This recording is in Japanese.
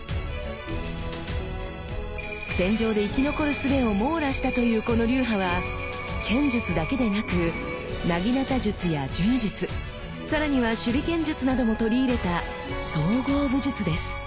戦場で生き残るすべを網羅したというこの流派は剣術だけでなく薙刀術や柔術更には手裏剣術なども取り入れた総合武術です。